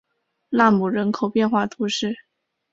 拉穆人口变化图示